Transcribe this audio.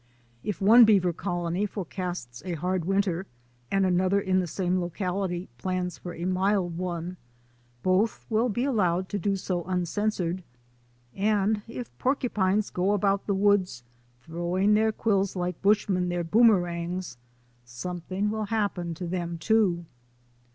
If one beaver colony forecasts a hard winter and another in the same locality plans for a mild one, both will be allowed to do so uncensored, and if porcupines go about the woods throwing their quills like bushmen their boomerangs, something will happen to them, too.